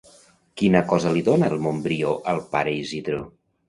Quina cosa li dona el Montbrió al pare Isidro?